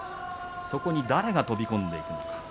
そこに誰が飛び込んでいくのか。